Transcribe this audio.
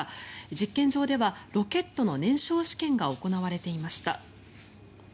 実験場ではロケットの燃焼試験が行われていました。